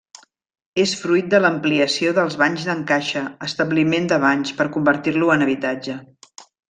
És fruit de l'ampliació dels Banys d'en Caixa, establiment de banys, per convertir-lo en habitatge.